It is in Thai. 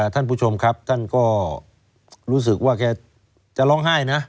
ท่านผู้ชมครับท่านก็รู้สึกว่าแกจะร้องไห้นะ